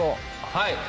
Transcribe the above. はい。